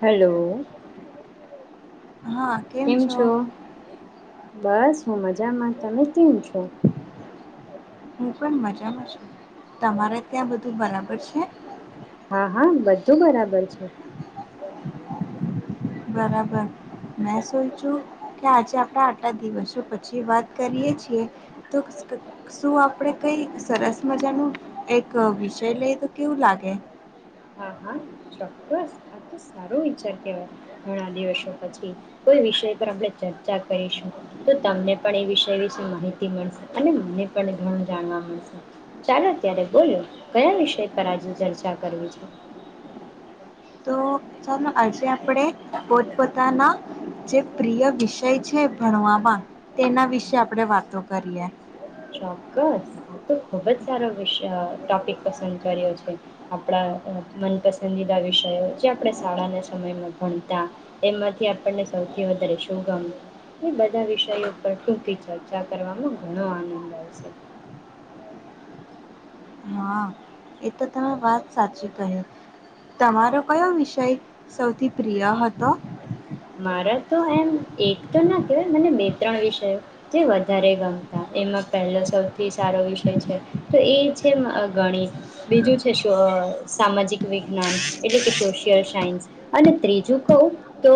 Hello. હા કેમ છો. બસ હું મજામાં તમે કેમ છો. હું પણ મજામાં છું તમારે ત્યાં બધું બરાબર છે. હા હા બધું બરાબર છે. બરાબર મેં શુંચું કે આજે આપણે આટલા દિવસો પછી વાત કરીય છીએ તો શું આપણેે કઈ સરસ મજાનું એક વિષય લઈ તો કેવું લાગે. હા હા ચોક્કસ. આ તો સારો વિચાર કેવાય. ઘણા દિવસો પછી કોઈ વિષય પર આપણે ચર્ચા કરીશું. તો તમને પણ એ વિષય વિશે માહિતી મળશે. અને મને પણ ઘણું જાણવા મળશે. ચાલો, ત્યારે બોલો કયા વિષય પર આજે ચર્ચા કરવી છે. તો ચાલો આજે આપડે પોતપોતાના જે પ્રિય વિષય છે ભણવામાં તેના વિશે આપડે વાતો કરીએ. ચોક્કસ. આ તો ખુબ જ સારો વિષ અ ટોપિક પસંદ કર્યો છે. આપણા અ મનપસંદીદા વિષયો જે આપણે શાળાને સમયમાં ભણતા એમાંથી આપણને સૌથી વધારે શું ગમે? એ બધા વિષયો પર ટૂંકી ચર્ચા કરવામાં ઘણો આનંદ હોય છે. હા એ તો તમ વાત સાચી કહી તમારો કયો વિષય સૌથી પ્રિય હતો? મારે તો એમ એક તો ના કહેવાય મને બે ત્રણ વિષયો જે વધારે ગમતા. એમાં પહેલો સૌથી સારો વિષય છે તો એ છે મા અ ગણિત બીજું છે સ સામાજિક વિજ્ઞાન એટલે કે સોશિયલ સાયન્સ અને ત્રીજું કહું તો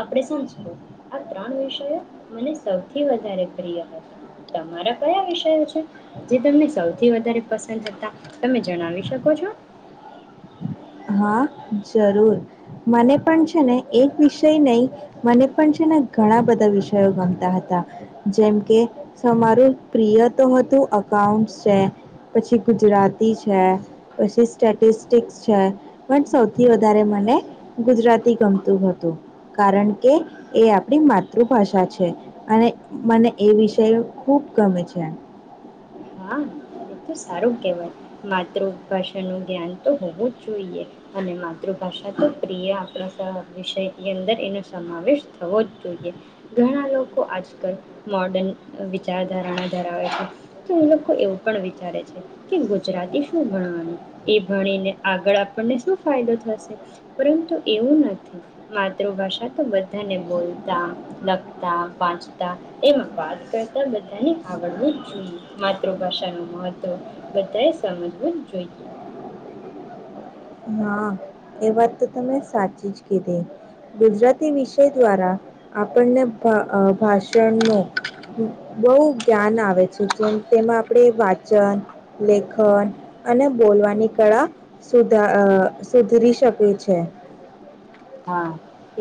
આપણે સંસ્કૃત આ ત્રણ વિષયો મને સૌથી વધારે પ્રિય હતા. તમારા કયા વિષયો છે? જે તમને સૌથી વધારે પસંદ હતા? તમે જણાવી શકો છો? હા, જરૂર મને પન છે ને એક વિષય નહીં મને પન છે ને ઘણા બધા વિષયો ગમતા હતા. જેમ કે અપ્રિય તો હતું અકાઉન્ટસ છે, પછી ગુજરાતી છે, પછી સ્ટેટિસ્ટિક્સ છે પન સૌથી વધારે મને ગુજરાતી ગમતું હતું. કારણ કે એ આપણી માતૃભાષા છે, અને મને એ વિષયો ખૂબ ગમે છે. હા એ તો સારું કેહવાય. માતૃભાષાનું જ્ઞાન તો હોવું જ જોઈએ અને માતૃભાષા તો પ્રિય આપણા તા વિષયની અંદર એનો સમાવેશ થવો જ જોઈએ, ઘણા લોકો આજકાલ મોર્ડન અ વિચારધારણા ધરાવે છે તો એ લોકો એવું પણ વિચારે છે કે ગુજરાતી શું ભણાવાનું, એ ભણીને આગળ આપનને શું ફાયદો થશે, પરંતુ એવું નથી માતૃભાષા તો બધાને બોલતા, લખતા, વાંચતા એમાં વાત કરતા બધાને આવડવું જ જોઈએ માત્ર ભાષાનું મહત્વ બધાએ સમજવું જ જોઈએ. હા એ વાત તો તમે સાચી જ કીધી ગુજરાતી વિષય દ્વારા આપણને ભા અ ભાષણનું નું બહુ જ્ઞાન આવે છે, જેમ તેમાં આપડે વાચન, લેખન અને બોલવાની કળા સુદ્ધાં અ સુધરી શકે છે. હા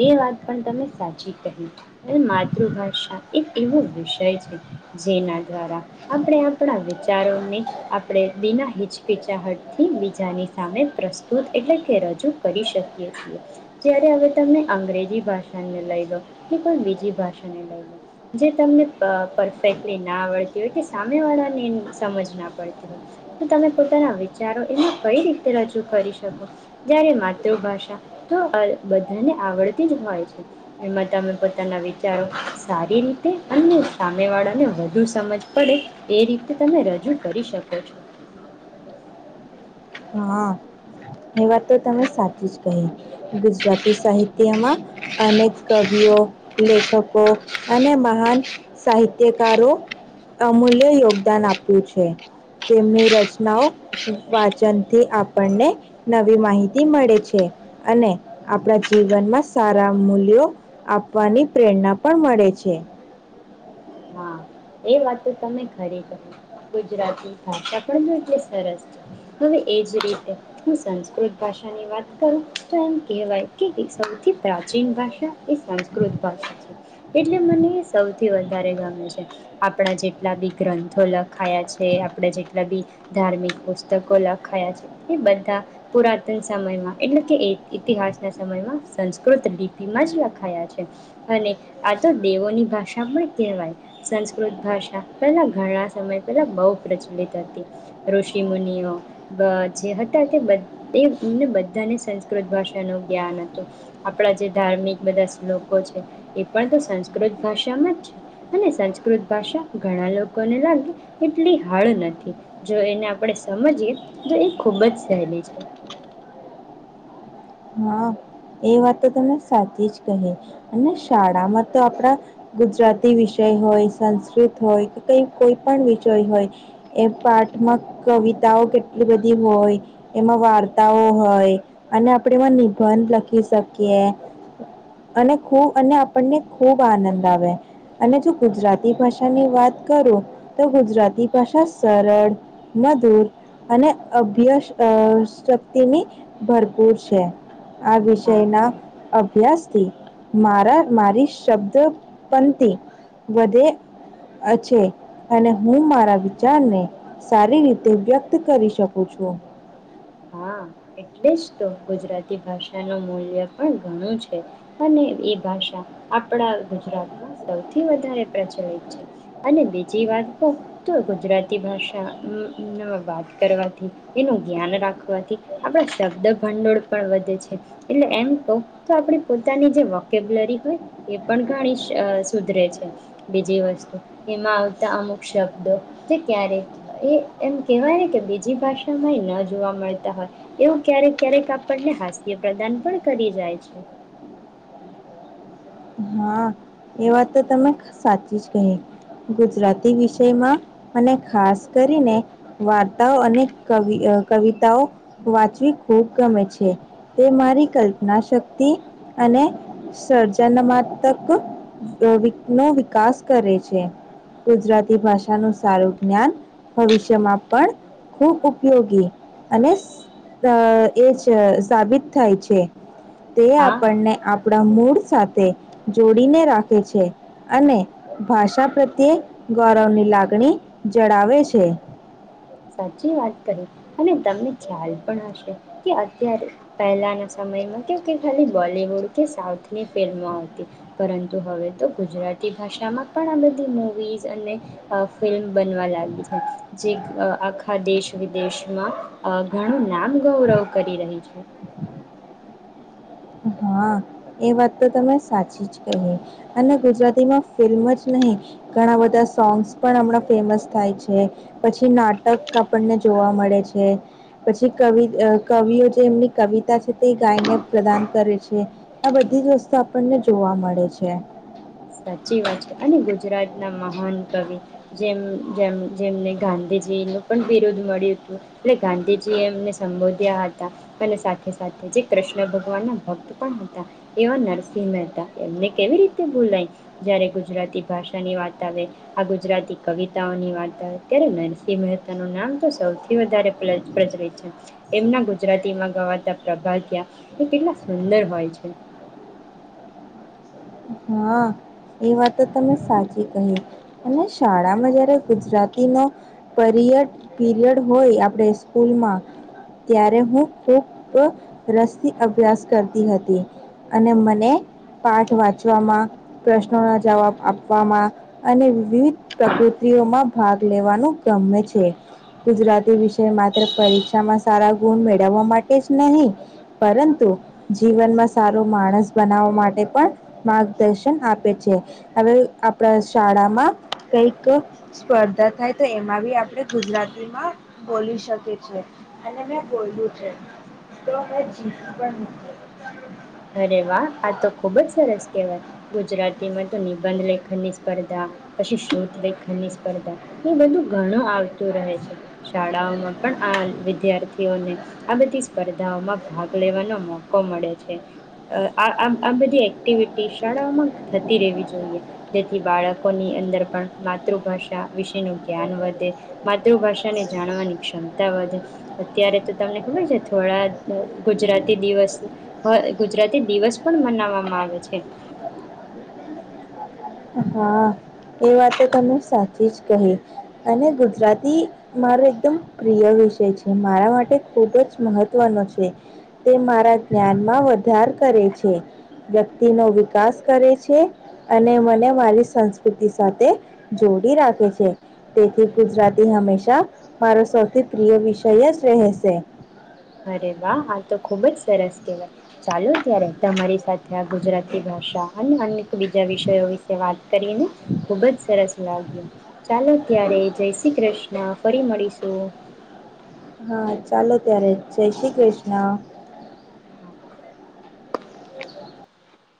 એ વાત પણ તમે સાચી કહી, ને માતૃભાષા એક એવો વિષય છે જેના દ્વારા આપડે આપણા વિચારોને આપડે બીના હિચકિચાહટથી બીજાની સામે પ્રસ્તુત એટલે કે રજૂ કરી શકીએ છીએ. જ્યારે હવે તમે અંગ્રેજી ભાષાને લઈ લો કે કોઈ બીજી ભાષાને લઈ લો, જે તમને પ પરફેક્ટલી ના આવડતી હોય કે સામેવાળાની સમજ ના પડતી હોય તો તમે પોતાના વિચારો એને કઈ રીતે રજૂ કરી શકો. જ્યારે માતૃભાષા તો અલ બદ ને આવડતી જ હોય છે, એમાં તમે પોતાના વિચારો સારી રીતે અને સામેવાળાને વધુ સમજ પડે એ રીતે તમે રજૂ કરી શકો છો. હા એ વાત તો તમે સાચી જ કહી. ગુજરાતી સાહિત્યમાં અનેક કવિઓ, લેખકો અને મહાન સાહિત્યકારો અમૂલ્ય યોગદાન આપ્યું છે, તેમની રચનાઓ વાચનથી આપણને નવી માહિતી મળે છે, અને આપણા જીવનમાં સારા મૂલ્યો આપવાની પ્રેરના પન મળે છે. હા એ વાત તમે ખરી કહી. ગુજરાતી ભાષા પણ એટલી સરસ છે, હવે એજ રીતે હું સંસ્કૃત ભાષાની વાત કરું તો એમ કહેવાય કે એ સૌથી પ્રાચીન ભાષા એ સંસ્કૃત ભાષા છે, એટલે મને સૌથી વધારે ગમે છે. આપણા જેટલા બી ગ્રંથો લખાયા છે, આપણે જેટલા બી ધાર્મિક પુસ્તકો લખાયા છે, એ બધા પુરાતન સમયમાં એટલે કે એત ઇતિહાસના સમયમાં સંસ્કૃત લિપિમાં જ લખાયા છે, અને આ તો દેવોની ભાષા પણ કેહવાય સંસ્ક કૃત ભાષા પહેલાં ઘણા સમય પહેલાં બહુ પ્રચલિત હતી. ઋષિ મુનિઓ બ જે હતા તે બધ એ એમને બધાને સંસ્કૃત ભાષાનું જ્ઞાન હતું. આપણા જે ધાર્મિક બધા શ્લોકો છે એ પણ તો સંસ્કૃત ભાષામાં જ છે, અને સંસ્ક કૃત ભાષા ઘણા લોકોને લાગે એટલી હાડ નથી, જો એને આપણે સમજીએ તો એ ખૂબ જ સહેલી છે. હા એ વાત તો તમે સાચી જ કહી, ને શાળામાં તો આપડા ગુજરાતી વિષય હોય સંસ્કૃત હોય કે કઈ કોઈ પણ વિષય હોય એ પાઠમાં કવિતાઓ કેટલી બધી હોય, એમાં વાર્તાઓ હોય અને આપણે એમાં નિબંધ લખી ભી શકીયે અને ખૂબ અને આપણને ખૂબ આનંદ આવે. અને જો ગુજરાતી ભાષાની વાત કરું તો ગુજરાતી ભાષા સરળ, મધુર અને અભ્યસ અ શક્તિની ભરપૂર છે. આ વિશ હા જેના અભ્યાસથી મારા મારી શબ્દ પંતિ વધે અ છે, અને હું મારા વિચારને સારી રીતે વ્યક્ત કરી શકું છું. હા, એટલે જ તો ગુજરાતી ભાષાનું મૂલ્ય પણ ઘણું છે. અને એ ભાષા આપણા ગુજરાતમાં સૌથી વધારે પ્રચલિત છે, અને બીજી વાત કહુ તો ગુજરાતી ભાષા ઉહ ઉહમ વાત કરવાથી એનું ધ્યાન રાખ પરથી આપણા શબ્દ ભંડોળ પણ વધે છે. એટલે એમ કહું તો આપણી પોતાની જે વોકેબ્લરી હોય એ પણ ઘણી અ સુધરે છે, બીજી વસ્તુ એમાં આવતા અમુક શબ્દો જે ક્યારેક એ એમ કેહવાય ને કે બીજી ભાષામાં એ ન જોવા મળે તા હોય એવું ક્યારેક ક્યારેક આપણને હાસ્ય પ્રદાન પણ કરી જાય છે. હા, એ વાત તો તમે સાચી જ કહી. ગુજરાતી વિષયમાં મને ખાસ કરીને વાર્તાઓ અને કવિ અ કવિતાઓ વાંચવી ખૂબ ગમે છે, તે મારી કલ્પના શક્તિ અને સર્જના તક નો અ વીક નો વિકાસ કરે છે, ગુજરાતી ભાષાનું સારું જ્ઞાન ભવિષ્યમાં પણ ખૂબ ઉપયોગી અને સ અ એ જ સાબિત થાય છે. તે હા આપણને આપણા મૂળ સાથે જોડીને રાખે છે. અને ભાષા પ્રત્યે ગૌરવની લાગણી જડાવે છે. સાચી વાત કહી. અને તમને ખ્યાલ પણ હશે કે અત્યારે પહેલાના સમયમાં કે કે ખાલી બોલીવુડ કે સાઉથની ફિલ્મો હતી. પરંતુ હવે તો ગુજરાતી ભાષામાં પણ આ બધી મુવીઝ અને અ ફિલ્મ બનવા લાગી છે. જે અ આખા દેશ વિદેશમાં અ ઘણું નામ ગૌરવ કરી રહી છે. હા, એ વાત તો તમે સાચી જ કહી. અને ગુજરાતીમાં ફિલ્મ જ નહીં ઘણા બધા સોંગ્સ પણ હમણાં ફેમસ થાય છે. પછી નાટક આપણને જોવા મળે છે. પછી કવિ અ કવિઓ જે એમની કવિતા છે તે ગાયને પ્રદાન કરે છે. આ બધી જ વસ્તુ આપણને જોવા મળે છે. સાચી વાત છે અને ગુજરાતના મહાન કવિ જેમ જેમ જેમને ગાંધીજીનું પણ બિરૂદ મળ્યું તું. એટલે ગાંધીજીએ એમને સંબોધ્યા હતા. અને સાથે સાથે જે ક્રષ્ન ભગવાનના ભક્ત પણ હતા. એવા નરસિંહ મેહતા એમને કેવી રીતે ભૂલાય? જ્યારે ગુજરાતી ભાષાની વાત આવે, આ ગુજરાતી કવિતાઓની વાત આવે, ત્યારે નરસિંહ મહેતાનું નામ તો સૌથી વધારે પ્રચ પ્રચલિત છે. એમના ગુજરાતીમાં ગવાતા પ્રભાત્યા એ કેટલા સુંદર હોય છે. હા, એ વાત તો તમે સાચી કહી. અને શાળામાં જયારે ગુજરાતીનો પરિયડ પીરિયડ હોય આપણે સ્કૂલમાં ત્યારે હું ખૂબ અ રસથી અભ્યાસ કરતી હતી. અને મને પાઠ વાંચ વામા પ્રશ્નોના જવાબ આપવામાં અને વિવિધ પ્રકૃતિઓમાં ભાગ લેવાનું ગમે છે. ગુજરાતી વિષય માત્ર પરીક્ષામાં સારા ગુણ મેળવવા માટે જ નહીં, પરંતુ જીવનમાં સારો માણસ બનાવવા માટે પણ માર્ગદર્શન આપે છે. હવે આપણા શાળામાં કઈક સ્પર્ધા થાય તો એમાં બી આપણે ગુજરાતીમાં બોલી શકીએ છીએ. અને મે બોલ્યું છે. તો એ જી અરે વાહ! આ તો ખુબ જ સરસ કેહવાય, ગુજરાતીમાં નિબંધ લેખન ની સ્પર્ધા પછી શ. લેખનની સ્પર્ધા એ બધું ઘણું આવત રહે છે શાળાઓમાં. પણ આ વિદ્યાર્થીઓને આ બધી સ્પર્ધાઓમાં ભાગ લેવાનો મોકો મળે છે. આ આ બધી એક્ટિવિટી શાળાઓમાં થતી રહેવી જોઈએ જેથી બાળકોની અંદર પણ માતૃભાષા વિશેનું જ્ઞાન વધે માતૃભાષાને જાણવાની ક્ષમતા વધે અત્યારે તો તમને ખબર છે થોડા ગુજરાતી દિવસ હોય ગુજરાતી દિવસ પણ મનાવવામાં આવે છે. હા એ વાત તને સાચી જ કહે અને ગુજરાતી મારો એકદમ પ્રિય વિષય છે મારા માટે ખૂબ જ મહત્ત્વનો છે તે મારા જ્ઞાનમાં વધાર કરે છે વ્યક્તિનો વિકાસ કરે છે અને મને મારી સંસ્કૃતિ સાથે જોડી રાખે છે તેથી ગુજરાતી હંમેશા મારો સૌથી પ્રિય વિષય જ રહેશે. અરે વાહ હાલ તો ખુબ જ સરસ કહેવાય ચાલો ત્યારે તમારી સાથે આ ગુજરાતી ભાષા અને અન્ બીજા વિષયો વિશે વાત કરીને ખૂબ જ સરસ [unintelligible] ચાલો ત્યારે જય શ્રી કૃષ્ણ ફરી મળીશું. હા ચાલો ત્યારે જય શ્રી કૃષ્ણ.